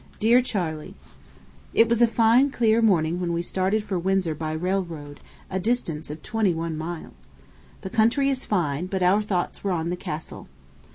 DEAR CHARLEY: It was a fine, clear morning when we started for Windsor by railroad, a distance of twenty one miles. The country is fine; but our thoughts were on the castle.